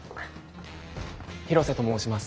広瀬と申します。